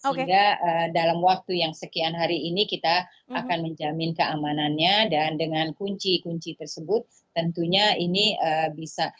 sehingga dalam waktu yang sekian hari ini kita akan menjamin keamanannya dan dengan kunci kunci tersebut tentunya ini bisa